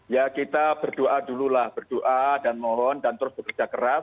ya kita berdoa dulu lah berdoa dan mohon dan terus bekerja keras